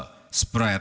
dan lebih cepat